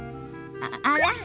あら？